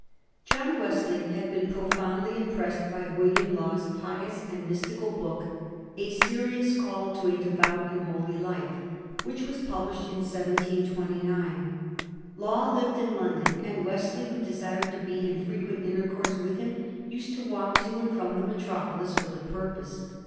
John Wesley had been profoundly impressed by Will iam Law's pious and mystical book, ''A Serious Call to a Devout and Holy Life," which was published in 1729. Law lived in London, and Wesley, who desired to be in frequent intercourse with him, used to walk to and from the metropolis for the purpose.